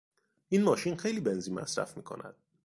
این ماشین خیلی بنزین مصرف میکند.